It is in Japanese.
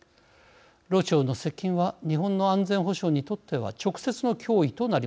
ロ朝の接近は日本の安全保障にとっては直接の脅威となります。